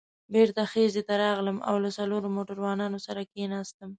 بېرته خزې ته راغلم او له څلورو موټروانانو سره کېناستم.